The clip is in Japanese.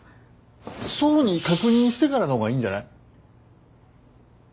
想に確認してからの方がいいんじゃない？